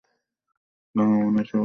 ভাঙা মনে শহরে ফিরে আসে জব্বার।